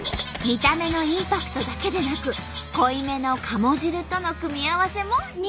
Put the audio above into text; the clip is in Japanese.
見た目のインパクトだけでなく濃いめの鴨汁との組み合わせも人気なんだとか。